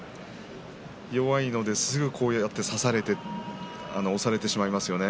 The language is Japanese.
弱いので、すぐこうやって差されて起こされてしまいますね。